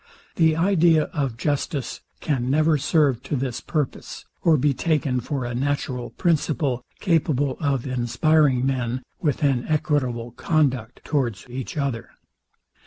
The idea of justice can never serve to this purpose, or be taken for a natural principle, capable of inspiring men with an equitable conduct towards each other.